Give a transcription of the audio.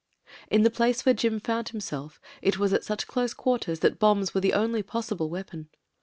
... In the place where Jim fotmd himself it was at such close quarters that bombs were the only possible weapon.